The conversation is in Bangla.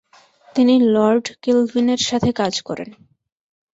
তিনি লর্ড কেলভিন এর সাথে কাজ করেন।